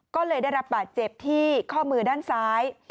ก็เลยได้รับบาดเจ็บที่ข้อมือด้านซ้าย